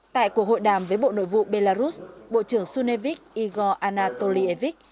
tại cuộc hội đàm với bộ nội vụ belarus bộ trưởng sunevik igor anatolievich